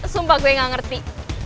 sumpah gue gak ngerti